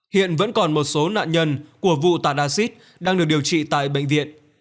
hiện vẫn còn một số nạn nhân của vụ tả acid đang được điều trị tại bệnh viện